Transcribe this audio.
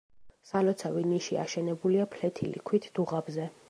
სალოცავი ნიში აშენებულია ფლეთილი ქვით, დუღაბზე.